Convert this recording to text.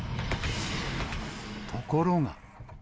ところが。